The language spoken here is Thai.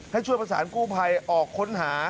ให้ช่วยประสานกู้ภัยออกค้นหา